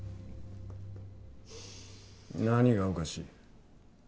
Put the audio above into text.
何がおかしい？